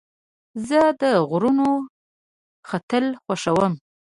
زه د غرونو ختل خوښوم.